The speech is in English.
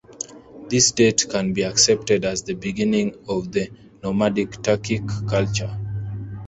This date can be accepted as the beginning of the nomadic Turkic culture.